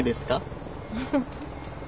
フフッ。